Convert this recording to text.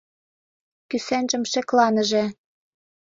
Кӱсенжым шекланыже.